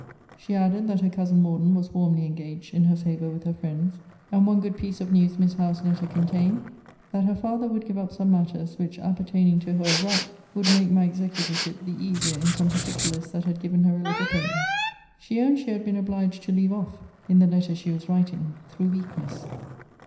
She added, that her cousin Morden was warmly engaged in her favour with her friends: and one good piece of news Miss Howe's letter contained, that her father would give up some matters, which (appertaining to her of right) would make my executorship the easier in some particulars that had given her a little pain. She owned she had been obliged to leave off (in the letter she was writing) through weakness.